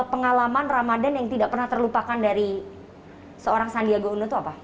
pengalaman ramadan yang tidak pernah terlupakan dari seorang sandiaga uno itu apa